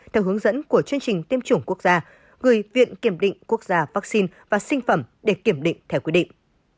theo hướng dẫn của chương trình tiêm chủng quốc gia gửi viện kiểm định quốc gia vaccine và sinh phẩm để kiểm định theo quy định